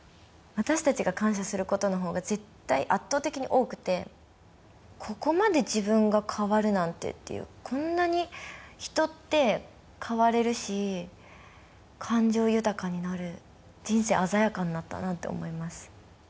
私たちが感謝することのほうが絶対圧倒的に多くてここまで自分が変わるなんてっていうこんなに人って変われるし感情豊かになる人生鮮やかになったなって思います